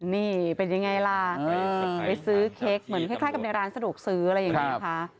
นี่เป็นยังไงล่ะไปซื้อเค้กเหมือนคล้ายกับในร้านสะดวกซื้ออะไรอย่างนี้ค่ะ